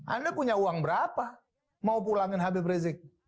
anda punya uang berapa mau pulangin habib rizik